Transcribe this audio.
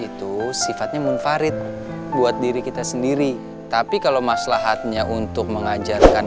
itu sifatnya munfarid buat diri kita sendiri tapi kalau maslahatnya untuk mengajarkan